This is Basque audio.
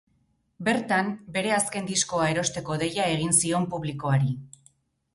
Bertan, bere azken diskoa erosteko deia egin zion publikoari.